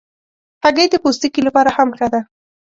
هګۍ د پوستکي لپاره هم ښه ده.